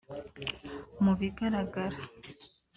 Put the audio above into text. Mu bigaragara